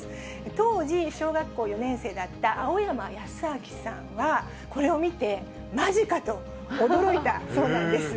当時小学校４年生だった青山恭明さんは、これを見て、マジかと驚いたそうなんです。